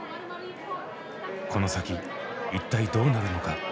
この先一体どうなるのか？